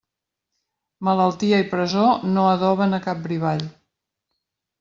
Malaltia i presó no adoben a cap brivall.